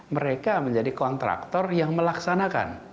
mereka menjadi kontraktor yang melaksanakan